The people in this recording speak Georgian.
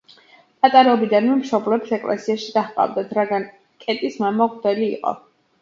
პატარაობიდანვე მშობლებს ეკლესიაში დაჰყავდათ, რადგან კეტის მამა მღვდელი იყო.